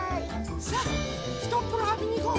さあひとっぷろあびにいこう。